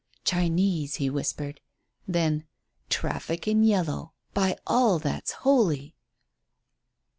"Chinese!" he whispered. Then: "Traffic in yellow, by all that's holy!"